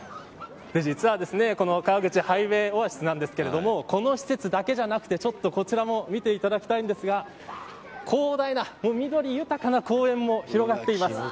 実はこの川口ハイウェイオアシスなんですけれどもこの施設だけではなくてこちらも見ていただきたいんですが広大な緑豊かな公園も広がっています。